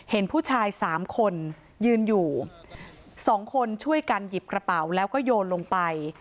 เห็นผู้ชาย๓คนยืนอยู่สองคนช่วยกันหยิบกระเป๋าแล้วก็โยนลงไป